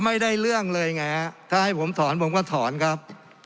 ก็ไม่ได้เรื่องเลยไงถ้าให้ผมถอนผมก็ถอนครับ